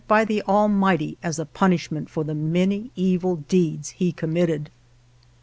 139 GERONIMO by the Almighty as a punishment for the many evil deeds he committed.